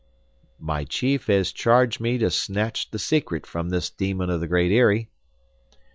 "My chief has charged me to snatch the secret from this demon of the Great Eyrie."